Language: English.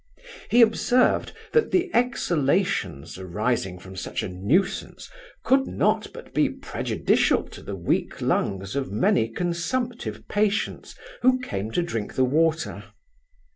He observed, that the exhalations arising from such a nuisance, could not but be prejudicial to the weak lungs of many consumptive patients, who came to drink the water.